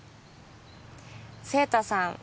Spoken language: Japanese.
晴太さん